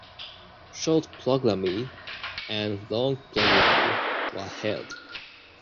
Short programme and long programme were held.